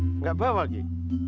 tidak bawa lagi